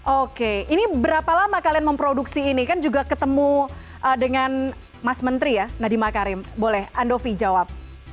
oke ini berapa lama kalian memproduksi ini kan juga ketemu dengan mas menteri ya nadiem makarim boleh andovi jawab